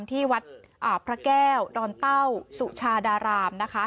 ที่วัดพระแก้วดอนเต้าสุชาดารามนะคะ